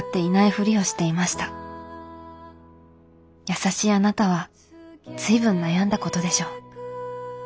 優しいあなたは随分悩んだことでしょう。